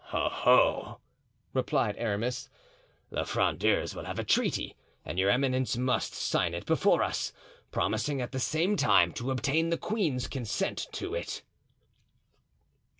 "Ho! ho!" replied Aramis. "The Frondeurs will have a treaty and your eminence must sign it before us, promising at the same time to obtain the queen's consent to it."